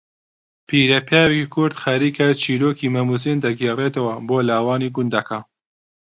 پیرەپیاوێکی کورد خەریکە چیرۆکی مەم و زین دەگێڕەتەوە بۆ لاوانی گوندەکە